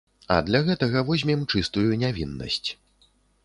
А для гэтага возьмем чыстую нявіннасць.